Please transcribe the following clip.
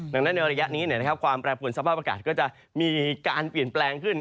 ดังนั้นในระยะนี้ความแปรปวนสภาพอากาศก็จะมีการเปลี่ยนแปลงขึ้น